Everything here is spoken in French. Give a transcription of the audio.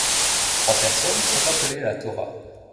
Trois personnes sont appelées à la Torah.